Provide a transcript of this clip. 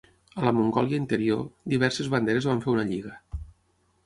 A la Mongòlia Interior, diverses banderes van fer una lliga.